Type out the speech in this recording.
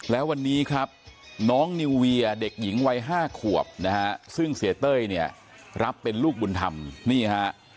แล้ววันนี้ครับน้องนิวเวียเด็กหญิงวัย๕ขวบนะฮะซึ่งเสียเต้ยเนี่ยรับเป็นลูกบุญธรรมนี่ฮะ